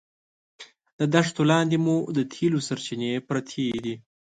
د دښتو لاندې مو د تېلو سرچینې پرتې دي.